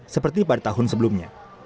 seperti pada tahun sebelumnya